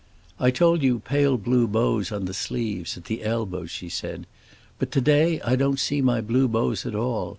"I told you pale blue bows on the sleeves, at the elbows," she said. "But to day I don't see my blue bows at all.